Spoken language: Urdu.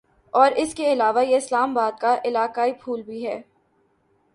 اور اس کے علاوہ یہ اسلام آباد کا علاقائی پھول بھی ہے